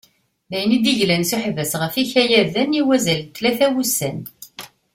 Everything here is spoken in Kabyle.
Dayen i d-yeglan s uḥbas ɣef yikayaden i wazal n tlata n wussan.